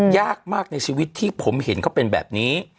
ยากมากในชีวิตที่ผมเห็นเขาเป็นแบบนี้